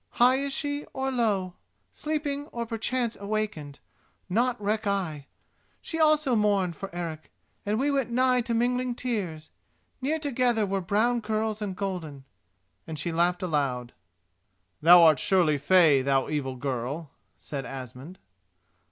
"High is she or low, sleeping or perchance awakened: naught reck I. She also mourned for Eric, and we went nigh to mingling tears—near together were brown curls and golden," and she laughed aloud. "Thou art surely fey, thou evil girl!" said Asmund.